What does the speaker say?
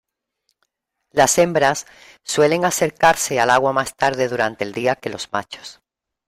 Las hembras suelen acercarse al agua más tarde durante el día que los machos.